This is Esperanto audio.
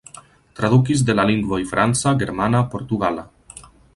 Tradukis de la lingvoj franca, germana, portugala.